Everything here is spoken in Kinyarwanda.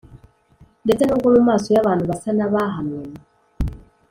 Ndetse n’ubwo mu maso y’abantu basa n’abahanwe,